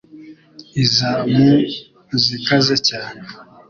iza mu zikaze cyane.